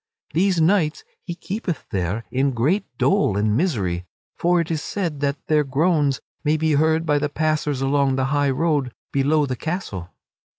These knights he keepeth there in great dole and misery, for it is said that their groans may be heard by the passers along the high road below the castle.